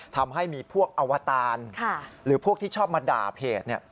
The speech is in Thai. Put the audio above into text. ทำให้มีพวกอวตารหรือพวกที่ชอบมาด่าเพจ